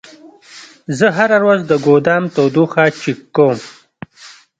زه هره ورځ د ګودام تودوخه چک کوم.